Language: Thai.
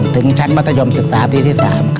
ถึงชั้นมัธยมศึกษาปีที่๓